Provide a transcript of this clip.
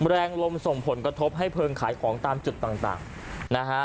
แรงลมส่งผลกระทบให้เพลิงขายของตามจุดต่างนะฮะ